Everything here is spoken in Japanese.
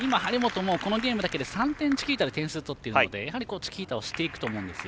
もうこのゲームだけで３点、チキータで点を取っているのでチキータをしていくと思うんです。